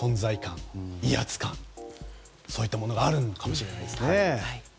威圧感、そういったものがあるのかもしれないですね。